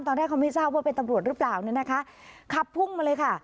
ตอนแรกเขาไม่ทราบว่าเป็นตำรวจหรือเปล่าเนี่ยนะคะขับพุ่งมาเลยค่ะ